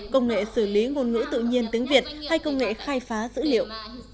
công nghệ xử lý ngôn ngữ tự nhiên tiếng việt hay công nghệ khai phá dữ liệu